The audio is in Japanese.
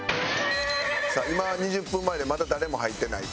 さあ今２０分前でまだ誰も入ってない。